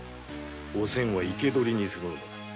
おせんは生け捕りにするのだ。